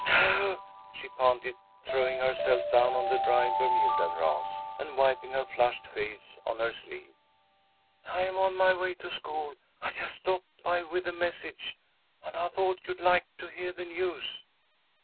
"No," she panted, throwing herself down on the dry Bermuda grass, and wiping her flushed face on her sleeve. "I'm on my way to school. I just stopped by with a message, and I thought you'd like to hear the news."